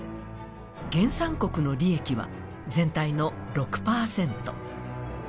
原産国の利益は全体の６％。